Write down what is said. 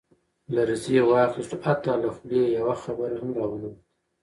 لړزې واخستو حتا له خولې يې يوه خبره هم را ونوته.